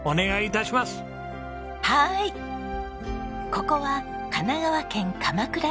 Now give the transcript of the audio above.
ここは神奈川県鎌倉市。